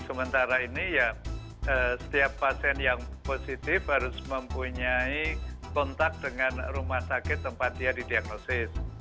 sementara ini ya setiap pasien yang positif harus mempunyai kontak dengan rumah sakit tempat dia didiagnosis